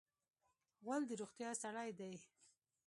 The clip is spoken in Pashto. غول د روغتیا سړی دی.